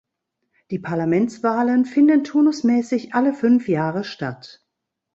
Die Parlamentswahlen finden turnusmäßig alle fünf Jahre statt.